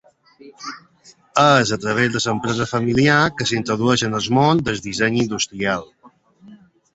És a través de l'empresa familiar que s'introdueix en el món del disseny industrial.